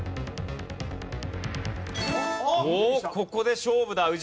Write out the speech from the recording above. ここで勝負だ。